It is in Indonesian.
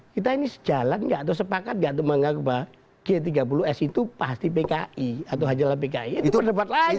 kita ini sejalan gak tuh sepakat gak teman teman g tiga puluh s itu pasti pki atau haji ala pki itu debat lagi